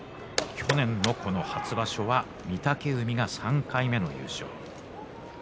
去年の初場所は御嶽海が３回目の優勝。